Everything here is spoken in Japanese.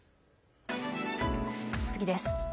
次です。